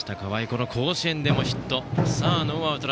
この甲子園でもヒット。